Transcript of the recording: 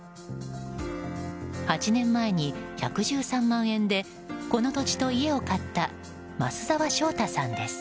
８年前に１１３万円でこの土地と家を買った増澤省太さんです。